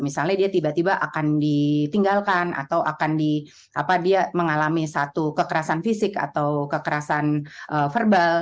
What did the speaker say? misalnya dia tiba tiba akan ditinggalkan atau akan dia mengalami satu kekerasan fisik atau kekerasan verbal